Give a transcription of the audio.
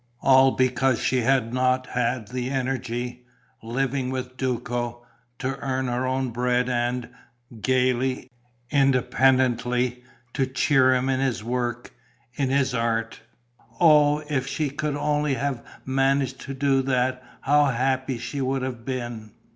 All because she had not had the energy, living with Duco, to earn her own bread and, gaily, independently, to cheer him in his work, in his art. Oh, if she could only have managed to do that, how happy she would have been!